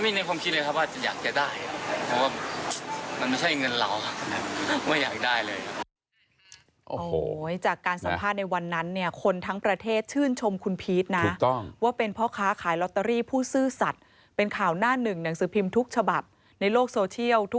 มันไม่มีในความคิดเลยครับว่าจะอยากจะได้